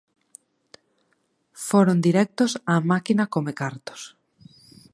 Foron directos á máquina comecartos.